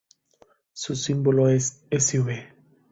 Su símbolo es Sv.